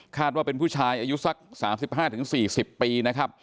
คาดว่าเป็นผู้ชายอายุสัก๓๕๔๐ปี